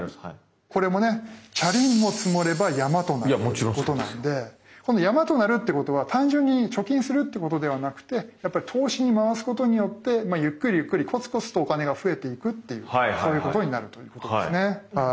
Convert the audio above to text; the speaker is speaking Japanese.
これもね「チャリンも積もれば山となる！」ということなのでこの「山となる」っていうことは単純に貯金するっていうことではなくて投資に回すことによってゆっくりゆっくりコツコツとお金が増えていくっていうそういうことになるということですね。